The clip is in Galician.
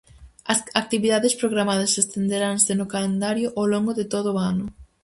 As actividades programadas estenderanse no calendario ao longo de todo o ano.